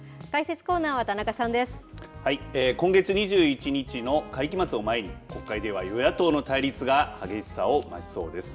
はい、今月２１日の会期末を前に国会では与野党の対立が激しさを増しそうです。